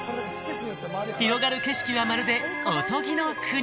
広がる景色はまるで、おとぎの国！